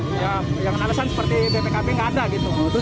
ya yang alasan seperti bpkb nggak ada gitu